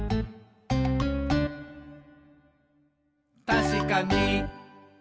「たしかに！」